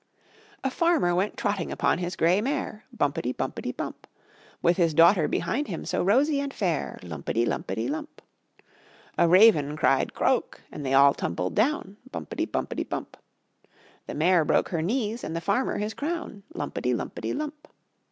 A farmer went trotting upon his gray mare, Bumpety, bumpety, bump, With his daughter behind him, so rosy and fair, Lumpety, lumpety, lump. A raven cried "Croak," and they all tumbled down, Bumpety, bumpety, bump; The mare broke her knees and the farmer his crown, Lumpety, lumpety, lump.